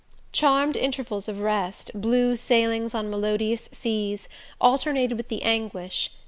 Charmed intervals of rest, blue sailings on melodious seas, alternated with the anguish.